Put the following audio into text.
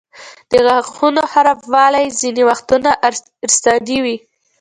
د غاښونو خرابوالی ځینې وختونه ارثي وي.